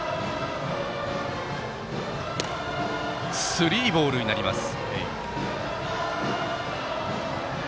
スリーボールになります。